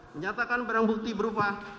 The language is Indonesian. menyatakan barang bukti berupa